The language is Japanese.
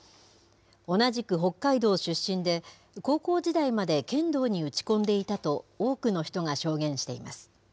同じく北海道出身で、高校時代まで剣道に打ち込んでいたと、多くの人が証言しています。